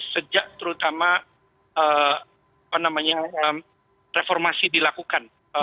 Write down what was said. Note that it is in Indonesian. sejak terutama reformasi dilakukan